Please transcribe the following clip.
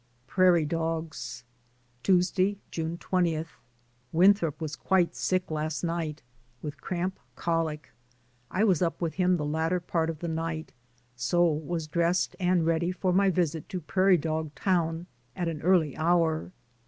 PRAIRIE DOGS. Tuesday, June 20. Winthrop was quite sick last night with cramp colic. I was up with him the latter part of the night, so was dressed and ready for my visit to Prairie Dog Town at an early hour.